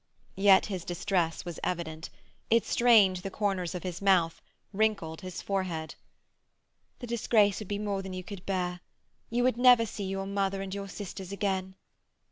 Yet his distress was evident. It strained the corners of his mouth, wrinkled his forehead. "The disgrace would be more than you could bear. You would never see your mother and your sisters again."